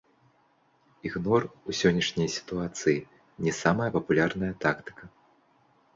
Ігнор у сённяшняй сітуацыі не самая папулярная тактыка.